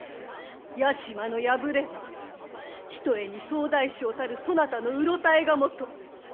屋島の敗れはひとえに総大将たるそなたのうろたえがもと。